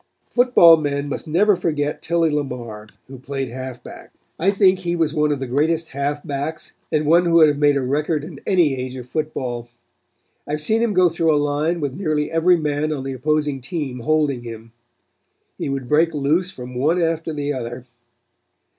"Football men must never forget Tilly Lamar, who played halfback. I think he was one of the greatest halfbacks and one who would have made a record in any age of football. I have seen him go through a line with nearly every man on the opposing team holding him. He would break loose from one after the other.